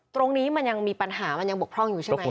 ตรงนี้มันยังมีปัญหามันยังบกพร่องอยู่ใช่ไหม